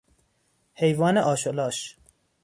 حیوان آش و لاش